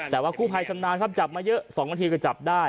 แต่ว่ากู้ภัยชำนาญครับจับมาเยอะ๒นาทีก็จับได้